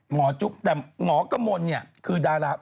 อ๋อหมอจุ๊บแต่หมอกมนตร์นี่คือดาราบ